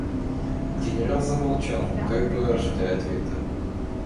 Генерал замолчал, как бы ожидая ответа.